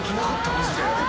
マジで。